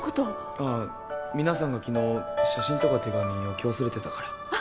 あぁ皆さんが昨日写真とか手紙置き忘れてたから。